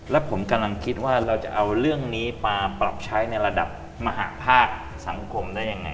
แล้วผมกำลังคิดว่าเราจะเอาเรื่องนี้มาปรับใช้ในระดับมหาภาคสังคมได้ยังไง